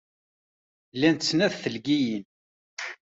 Llant snat tleggiyin.